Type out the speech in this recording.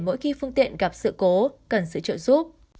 mỗi khi phương tiện gặp sự cố cần sự trợ giúp